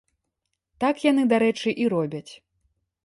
Так яны, дарэчы, і робяць.